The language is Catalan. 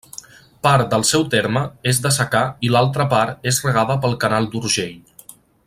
Part del seu terme és de secà i l'altra part és regada pel Canal d'Urgell.